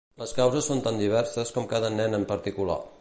Les causes són tan diverses com cada nen en particular.